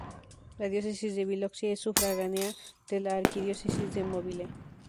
La Diócesis de Biloxi es sufragánea de la Arquidiócesis de Mobile.